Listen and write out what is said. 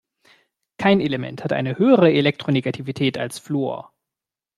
Kein Element hat eine höhere Elektronegativität als Fluor.